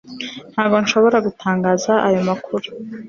ntabwo nshobora gutangaza ayo makuru